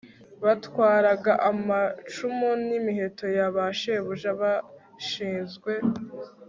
batwaraga amacumu n imiheto ya ba shebuja bashinzwe